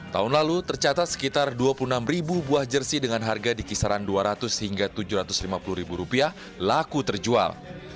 tahun lalu tercatat sekitar dua puluh enam ribu buah jersi dengan harga di kisaran dua ratus hingga tujuh ratus lima puluh ribu rupiah laku terjual